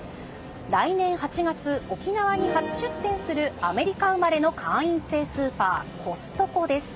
来年８月、沖縄に初出店するアメリカ生まれの会員制スーパーコストコです。